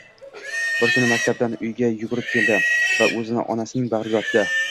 Bir kuni maktabdan uyga yugurib keldi va o`zini onasining bag`riga otdi